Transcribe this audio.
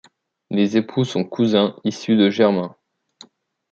Les époux sont cousins issus de germains.